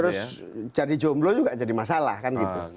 terus jadi jomblo juga jadi masalah kan gitu